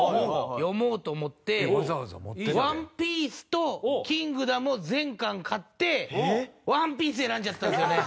『ＯＮＥＰＩＥＣＥ』と『キングダム』を全巻買って『ＯＮＥＰＩＥＣＥ』選んじゃったんですよね。